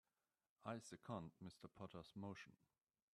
I second Mr. Potter's motion.